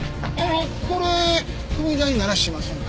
これ踏み台にならしませんか？